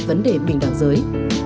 vấn đề bình đẳng giới